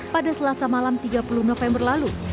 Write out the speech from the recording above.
pada selasa malam tiga puluh november lalu